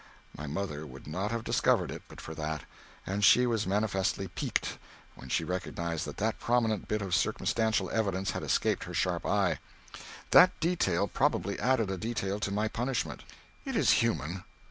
My mother would not have discovered it but for that, and she was manifestly piqued when she recognized that that prominent bit of circumstantial evidence had escaped her sharp eye. That detail probably added a detail to my punishment. It is human.